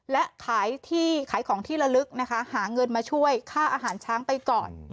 และขายที่ขายของที่ละลึกนะคะหาเงินมาช่วยค่าอาหารช้างไปก่อน